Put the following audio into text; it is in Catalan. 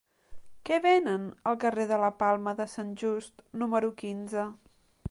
Què venen al carrer de la Palma de Sant Just número quinze?